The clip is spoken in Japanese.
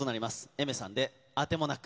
Ａｉｍｅｒさんで、あてもなく。